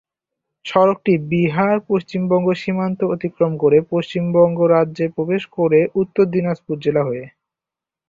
সড়কটি বিহার-পশ্চিমবঙ্গ সীমান্ত অতিক্রম করে পশ্চিমবঙ্গ রাজ্যে প্রবেশ করে উত্তর দিনাজপুর জেলা হয়ে।